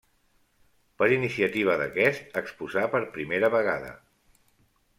Per iniciativa d'aquest exposà per primera vegada.